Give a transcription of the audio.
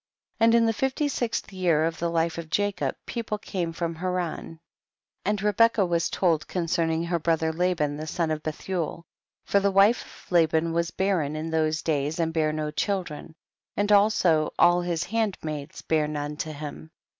26. And in the fifty sixth year of the life of Jacob, people came from Haran, and Rebecca was told con cerning her brother Laban the son of Bethuel. 27. For the wife of Laban was barren in those days, and bare no children, and also all his handmaids bare none to him.